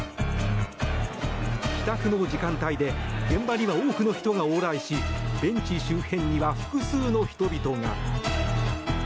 帰宅の時間帯で現場には多くの人が往来しベンチ周辺には複数の人々が。